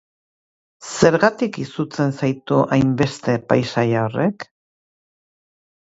Zergatik izutzen zaitu hainbeste paisaia horrek?